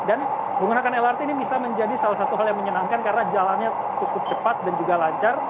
dan menggunakan lrt ini bisa menjadi salah satu hal yang menyenangkan karena jalannya cukup cepat dan juga lancar